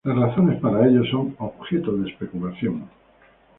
Las razones para ello son objeto de especulación.